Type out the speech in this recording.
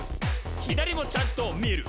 左もちゃんと見る！」